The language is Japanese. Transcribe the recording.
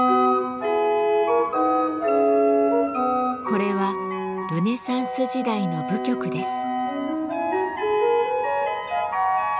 これはルネサンス時代の舞曲です。